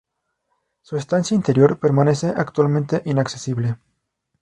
Su estancia interior permanece actualmente inaccesible.